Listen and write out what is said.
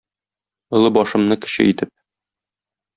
Олы башымны кече итеп.